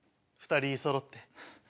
２人そろって。